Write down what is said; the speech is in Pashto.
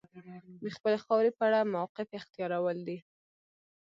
د خپلې خاورې په اړه موقف اختیارول دي.